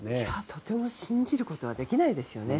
とても信じることはできないですよね。